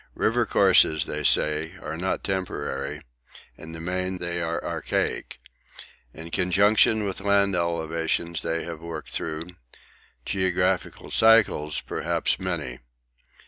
River courses, they say, are not temporary in the main they are archaic. In conjunction with land elevations they have worked through geographical cycles, perhaps many.